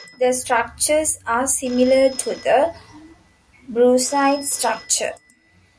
The structures are similar to the brucite structure.